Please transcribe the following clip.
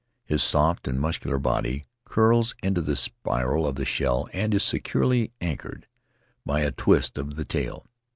His soft and muscular body curls into the spiral of the shell and is securely anchored by a twist of the tail.